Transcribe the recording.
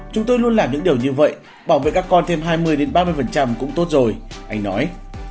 chúng tôi luôn làm những điều như vậy bảo vệ các con thêm hai mươi ba mươi cũng tốt rồi anh nói